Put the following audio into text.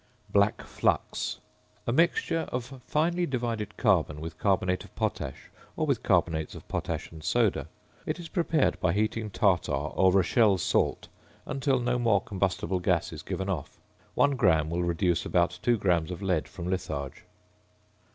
"~Black Flux.~" A mixture of finely divided carbon with carbonate of potash or with carbonates of potash and soda. It is prepared by heating tartar or "rochelle salt" until no more combustible gas is given off. One gram will reduce about 2 grams of lead from litharge.